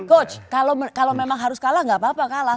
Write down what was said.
coach kalau memang harus kalah nggak apa apa kalah